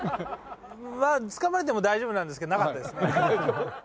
つかまれても大丈夫なんですけどなかったですね。